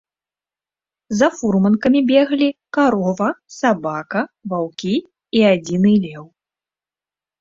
За фурманкамі беглі карова, сабака, ваўкі і адзіны леў.